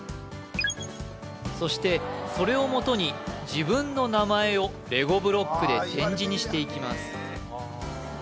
そしてそれをもとに自分の名前をレゴブロックで点字にしていきます